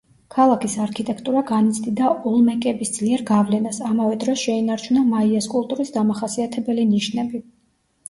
ქალაქის არქიტექტურა განიცდიდა ოლმეკების ძლიერ გავლენას, ამავე დროს შეინარჩუნა მაიას კულტურის დამახასიათებელი ნიშნები.